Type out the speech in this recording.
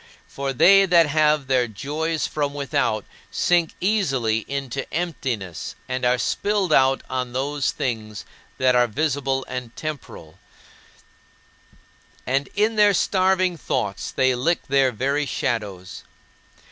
For they that have their joys from without sink easily into emptiness and are spilled out on those things that are visible and temporal, and in their starving thoughts they lick their very shadows.